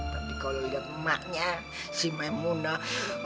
tapi kalau lihat emaknya si maimunah